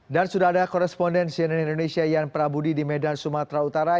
dan sudah ada koresponden sienan indonesia yan prabudi di medan sumatera utara